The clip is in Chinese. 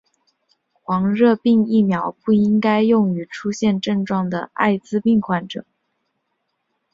黄热病疫苗不应该用于出现症状的爱滋病患者。